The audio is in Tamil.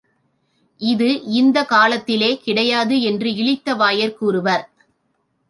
இது இந்தக் காலத்திலே கிடையாது என்று இளித்தவாயர் கூறுவர்.